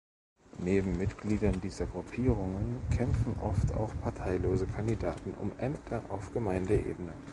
Neben Mitgliedern dieser Gruppierungen kämpfen oft auch parteilose Kandidaten um Ämter auf Gemeindeebene.